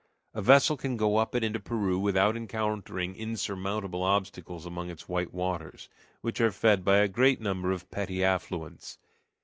A vessel can go up it into Peru without encountering insurmountable obstacles among its white waters, which are fed by a great number of petty affluents.